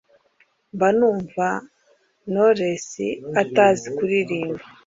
mba numv knowless atazi kuririmba